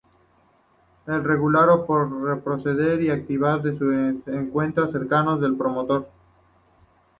Es regulado por represores y activadores que se encuentran cercanos al promotor.